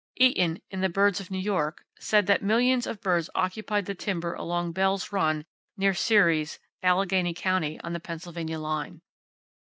Eaton, in "The Birds of New York," said that "millions of birds occupied the timber along Bell's Run, near Ceres, Alleghany County, on the Pennsylvania line."